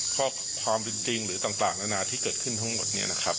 ข้อความจริงหรือต่างนานาที่เกิดขึ้นทั้งหมดเนี่ยนะครับ